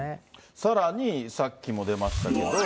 さらに、さっきも出ましたけど。